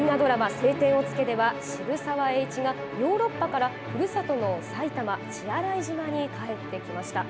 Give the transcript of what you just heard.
青天を衝けでは渋沢栄一がヨーロッパからふるさとの埼玉、血洗島に帰ってきました。